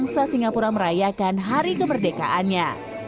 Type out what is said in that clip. singapura merayakan hari kemerdekaannya